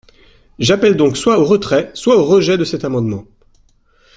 J’appelle donc soit au retrait, soit au rejet de cet amendement.